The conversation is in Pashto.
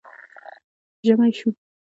ژمی شو